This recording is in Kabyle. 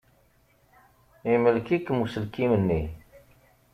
Imlek-ikem uselkim-nni.